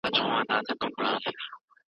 ته هميشه هلته بهار غواړې